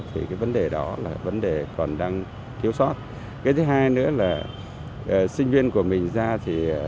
thì cái vấn đề đó là vấn đề còn đang thiếu sót cái thứ hai nữa là sinh viên của mình ra thì